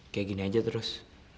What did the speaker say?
kayak gini aja terus